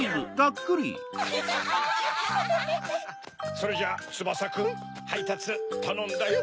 それじゃあつばさくんはいたつたのんだよ。